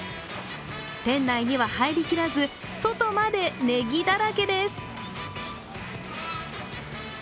店内には入りきらず、外までねぎだらけです。